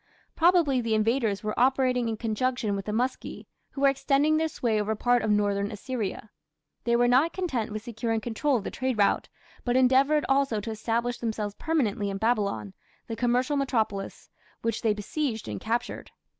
Probably the invaders were operating in conjunction with the Muski, who were extending their sway over part of northern Assyria. They were not content with securing control of the trade route, but endeavoured also to establish themselves permanently in Babylon, the commercial metropolis, which they besieged and captured.